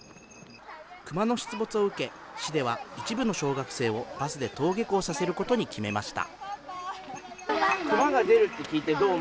クマの出没を受け、市では一部の小学生をバスで登下校させることに決めました。